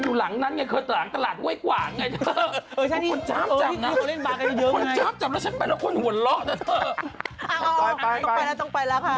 นั่งดูคลิปฉันก็หัวละเหมือนฉันบ้าคงเมือง